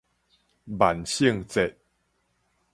萬聖節